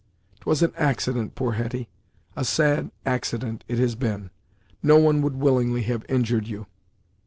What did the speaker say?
"'Twas an accident, poor Hetty; a sad accident it has been! No one would willingly have injured you."